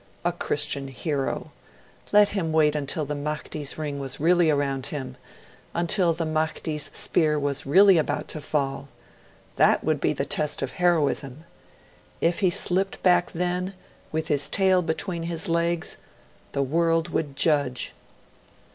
A Christian hero! Let him wait until the Mahdi's ring was really round him, until the Mahdi's spear was really about to fall! That would be the test of heroism! If he slipped back then, with his tail between his legs ! The world would judge.